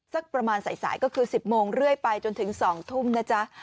สักประมาณสายก็คือ๑๐โมงเรื่อยไปจนถึง๒ทุ่มนะจ๊ะ